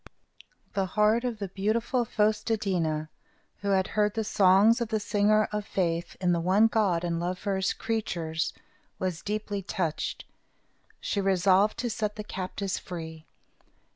The heart of the beautiful Fos te dí na, who had heard the songs of the singer of faith in the one God and love for his creatures, was deeply touched. She resolved to set the captives free.